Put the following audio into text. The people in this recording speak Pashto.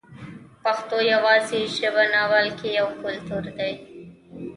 پښتو یوازې ژبه نه بلکې یو کلتور دی.